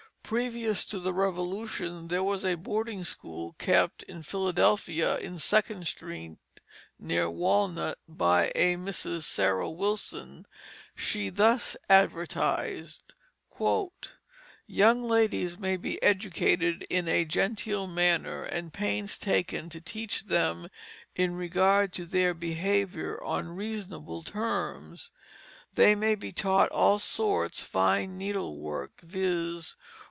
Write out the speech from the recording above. Previous to the Revolution there was a boarding school kept in Philadelphia in Second Street near Walnut, by a Mrs. Sarah Wilson. She thus advertised: "Young ladies may be educated in a genteel manner, and pains taken to teach them in regard to their behaviour, on reasonable terms. They may be taught all sorts fine needlework, viz.